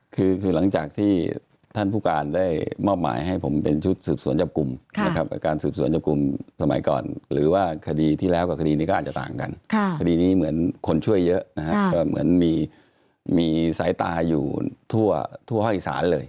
คือคือหลังจากที่ท่านผู้การได้มอบหมายให้ผมเป็นชุดสืบสวนจับกลุ่มนะครับกับการสืบสวนจับกลุ่มสมัยก่อนหรือว่าคดีที่แล้วกับคดีนี้ก็อาจจะต่างกันคดีนี้เหมือนคนช่วยเยอะนะฮะก็เหมือนมีสายตาอยู่ทั่วห้องอีสานเลย